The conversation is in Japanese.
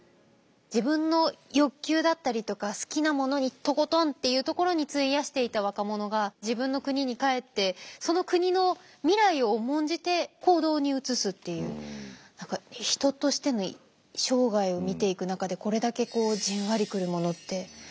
自分の欲求だったりとか好きなものにとことんっていうところに費やしていた若者が自分の国に帰って何か人としての生涯を見ていく中でこれだけじんわりくるものってありますね。